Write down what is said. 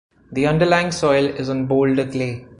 The underlying soil is on Boulder Clay.